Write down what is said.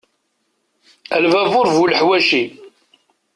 A lbabur bu leḥwaci!